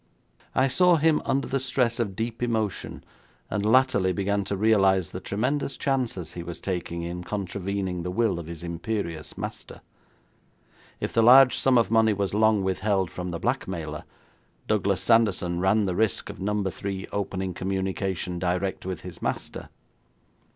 I saw him under the stress of deep emotion, and latterly began to realise the tremendous chances he was taking in contravening the will of his imperious master. If the large sum of money was long withheld from the blackmailer, Douglas Sanderson ran the risk of Number Three opening up communication direct with his master.